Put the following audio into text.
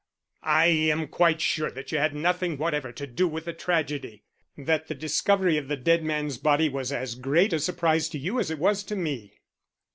"I am quite sure that you had nothing whatever to do with the tragedy that the discovery of the man's dead body was as great a surprise to you as it was to me."